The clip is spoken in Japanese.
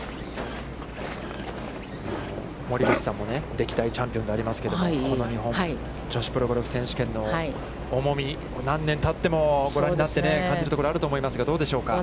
森口さんも歴代チャンピオンでありますけれども、この日本女子プロゴルフ選手権の重み、何年たってもご覧になって感じるところがあると思いますがどうでしょうか。